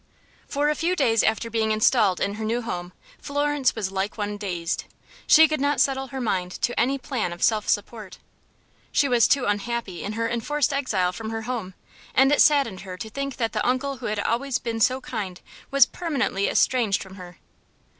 For a few days after being installed in her new home Florence was like one dazed. She could not settle her mind to any plan of self support. She was too unhappy in her enforced exile from her home, and it saddened her to think that the uncle who had always been so kind was permanently estranged from her.